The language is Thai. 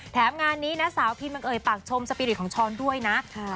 แถมงานนี้นะสาวพีมเบังเอ๋ยปากชมสปีฤตของช้อนด้วยนะค่ะ